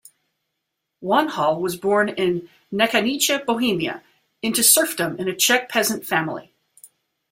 Wanhal was born in Nechanice, Bohemia, into serfdom in a Czech peasant family.